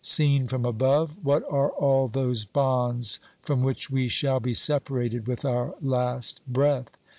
Seen from above, what are all those bonds from which we shall be separated with our last breath?